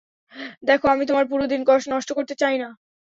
দেখো, আমি তোমার পুরো দিন নষ্ট করতে চাই না।